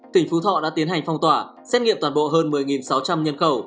tỉnh phú thọ đã tiến hành phong tỏa xét nghiệm toàn bộ hơn một mươi sáu trăm linh nhân khẩu